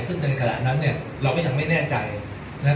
ซึ่งในขณะนั้นเนี่ยเราก็ยังไม่แน่ใจนะครับ